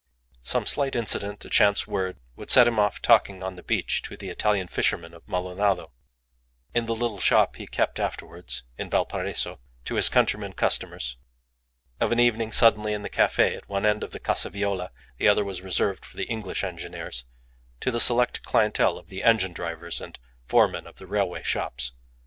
Some slight incident, a chance word would set him off talking on the beach to the Italian fishermen of Maldonado, in the little shop he kept afterwards (in Valparaiso) to his countrymen customers; of an evening, suddenly, in the cafe at one end of the Casa Viola (the other was reserved for the English engineers) to the select clientele of engine drivers and foremen of the railway shops.